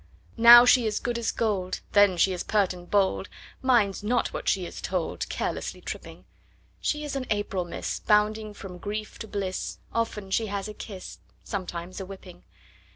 Now she is good as gold, Then she is pert and bold, Minds not what she is told, Carelessly tripping. She is an April miss, Bounding to grief from bliss; Often she has a kiss,—Sometimes a whipping!